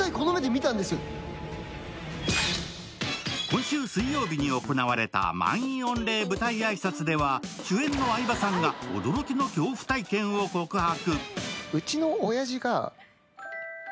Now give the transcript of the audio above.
今週水曜日に行われた満員御礼舞台挨拶では、主演の相葉さんが驚きの恐怖体験を告白。